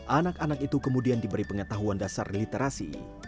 anak anak itu kemudian diberi pengetahuan dasar literasi